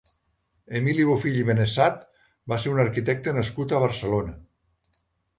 Emili Bofill i Benessat va ser un arquitecte nascut a Barcelona.